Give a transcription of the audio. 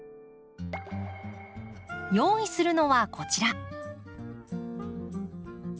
用意するのはこちら。